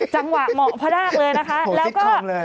จังหวะเหมาะพระรากเลยนะคะแล้วก็